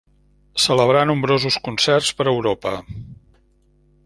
Celebrà nombrosos concerts per Europa.